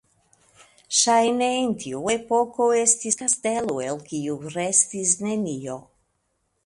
Ŝajne en tiu epoko estis kastelo el kiu restis nenio.